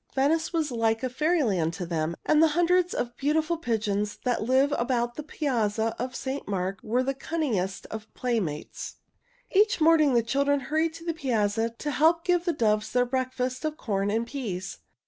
Venice was like a fairy land to them, and the hundreds of beautiful pigeons that live about the Piazza of St. Mark were the cunningest of playmates. Each morning the children hurried to the piazza to help give the doves their breakfast of corn and peas.